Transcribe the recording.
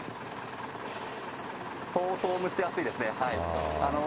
相当蒸し暑いですね。